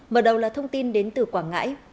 mở đầu là thông tin đến từ quảng ngãi